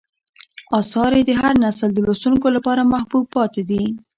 آثار یې د هر نسل د لوستونکو لپاره محبوب پاتې دي.